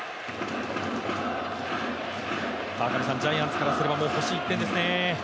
ジャイアンツからすれば欲しい１点ですね。